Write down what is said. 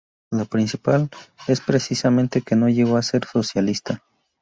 La principal es precisamente que no llegó a ser socialista.